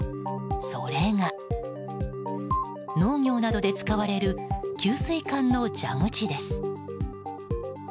それが、農業などで使われる給水管の蛇口です。